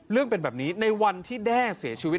เรื่องเป็นแบบนี้ในวันที่แด้เสียชีวิต